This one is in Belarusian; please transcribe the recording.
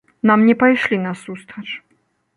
Нам не пайшлі насустрач.